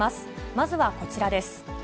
まずはこちらです。